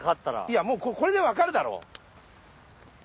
やもうこれで分かるだろ！